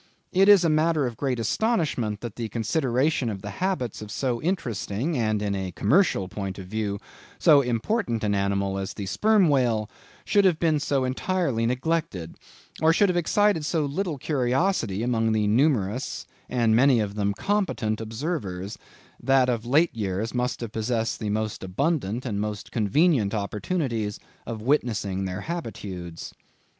It is a matter of great astonishment that the consideration of the habits of so interesting, and, in a commercial point of view, so important an animal (as the Sperm Whale) should have been so entirely neglected, or should have excited so little curiosity among the numerous, and many of them competent observers, that of late years, must have possessed the most abundant and the most convenient opportunities of witnessing their habitudes."